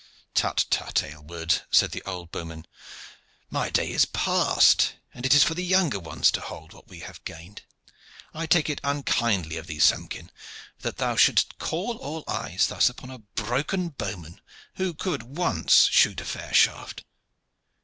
"Tut, tut, Aylward," said the old bowman. "My day is past, and it is for the younger ones to hold what we have gained. I take it unkindly of thee, Samkin, that thou shouldst call all eyes thus upon a broken bowman who could once shoot a fair shaft.